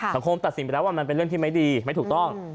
สังคมตัดสินไปแล้วว่ามันเป็นเรื่องที่ไม่ดีไม่ถูกต้อง